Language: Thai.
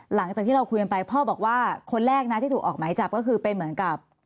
หลังจากที่เราคุยกันไปพ่อบอกว่าคนแรกนะที่ถูกออกหมายจับก็คือเป็นเหมือนกับ